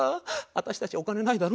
私たちお金ないだろ。